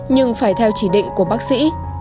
nhưng phải theo chỉ định của bác sĩ